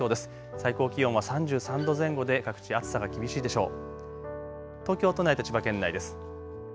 最高気温は３３度前後で各地暑さが厳しいでしょう。